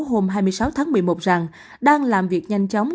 hôm hai mươi sáu tháng một mươi một rằng đang làm việc nhanh chóng